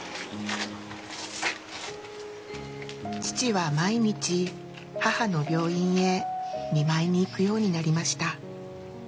父は毎日、母の病院へ見舞いに行くようになりました。